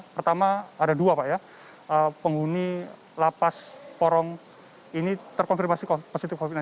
pertama ada dua pak ya penghuni lapas porong ini terkonfirmasi positif covid sembilan belas